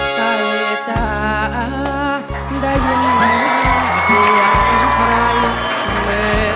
ขอบคุณครับ